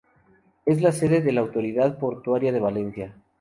Es la sede de la Autoridad Portuaria de Valencia.